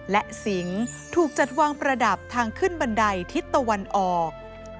และสิงห์ถูกจัดวางประดับทางขึ้นบันไดทิศตะวันออก